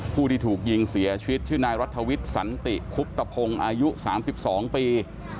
ผู้ที่ถูกยิงเสียชีวิตชื่อนายรัฐวิทย์สันติคุบตะพงศ์อายุ๓๒ปี